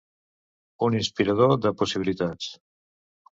Un inspirador de possibilitats.